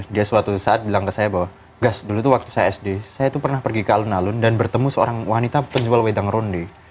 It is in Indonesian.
dia suatu saat bilang ke saya bahwa gas dulu itu waktu saya sd saya itu pernah pergi ke alun alun dan bertemu seorang wanita penjual wedang ronde